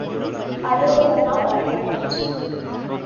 அழுததனால் அப்படி ஆயிற்று.